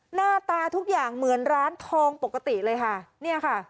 หน้าตาทุกอย่างเหมือนร้านทองปกติเลยค่ะเนี่ยค่ะ